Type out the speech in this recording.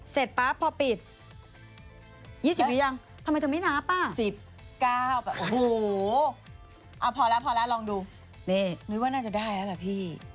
เสร็จปั๊บพอปิด๒๐วิคุณยังทำไมเธอไม่นับอ่ะ๑๙โอ้โหพอแล้วลองดูนึกว่าน่าจะได้แล้วล่ะพี่